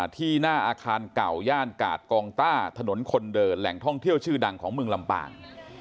ที่หน้าอาคารกล่ำเดินแหล่งท่องเที่ยวชื่อดังของเมืองลำปาง